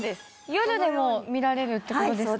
夜でも見られるって事ですか？